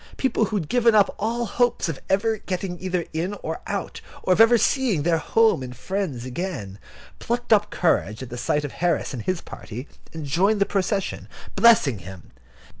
People who had given up all hopes of ever getting either in or out, or of ever seeing their home and friends again, plucked up courage at the sight of Harris and his party, and joined the procession, blessing him.